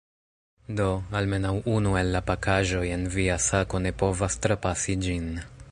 Do, almenaŭ unu el la pakaĵoj en via sako ne povas trapasi ĝin.